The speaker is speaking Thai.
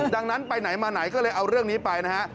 ดังนั้นไปไหนมาไหนก็เลยเอาเรื่องนี้ไปนะฮะ